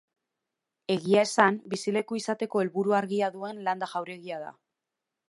Egia esan, bizileku izateko helburu argia duen landa jauregia da.